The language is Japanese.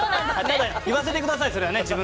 言わせてください、それは。